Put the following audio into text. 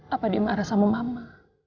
apa dia marah sama mama